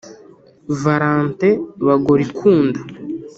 Valentin Bagorikunda